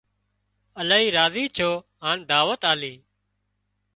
الاهي راضي ڇو هان دعوت آلي